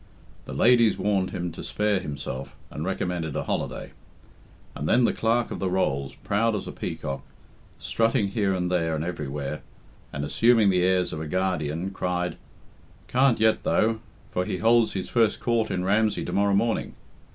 The ladies warned him to spare himself, and recommended a holiday; and then the Clerk of the Rolls, proud as a peacock, strutting here and there and everywhere, and assuming the airs of a guardian, cried, "Can't yet, though, for he holds his first court in Ramsey tomorrow morning....